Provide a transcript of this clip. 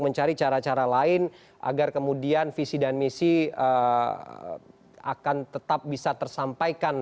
terima kasih pak